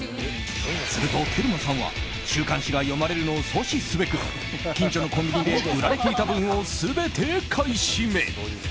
するとテルマさんは週刊誌が読まれるのを阻止すべく近所のコンビニで売られていた分を全て買い占め。